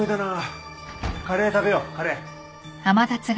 カレー食べようカレー。